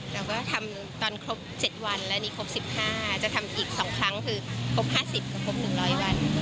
เราก็ทำตอนครบ๗วันและนี่ครบ๑๕จะทำอีก๒ครั้งคือครบ๕๐คือครบ๑๐๐วัน